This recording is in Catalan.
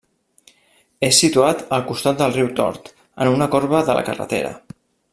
És situat al costat del riu Tort, en una corba de la carretera.